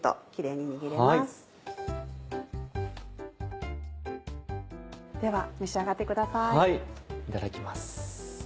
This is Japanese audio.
いただきます。